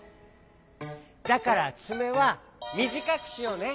だからつめはみじかくしようね。